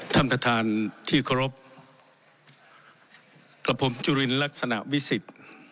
ท่านประธานที่เคารพกับผมจุลินลักษณะวิสิทธิ์